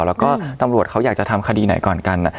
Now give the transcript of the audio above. แล้วก็ตำรวจเขาอยากจะทำคดีไหนก่อนกัน